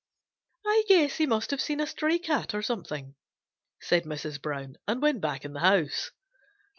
"I guess he must have seen a stray cat or something," said Mrs. Brown and went back in the house.